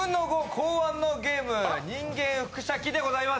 考案のゲーム「人間複写機」でございます。